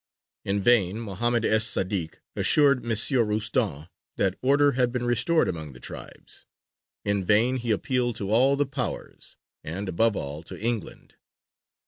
In vain Mohammed Es Sādik assured M. Roustan that order had been restored among the tribes; in vain he appealed to all the Powers, and, above all, to England.